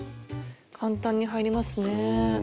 簡単に入りますね。